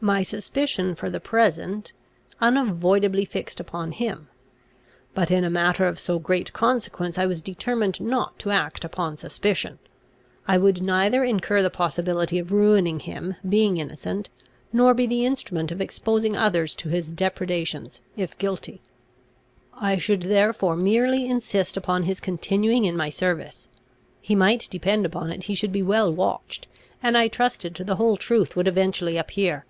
My suspicion, for the present, unavoidably fixed upon him. But, in a matter of so great consequence, I was determined not to act upon suspicion. I would neither incur the possibility of ruining him, being innocent, nor be the instrument of exposing others to his depredations, if guilty. I should therefore merely insist upon his continuing in my service. He might depend upon it he should be well watched, and I trusted the whole truth would eventually appear.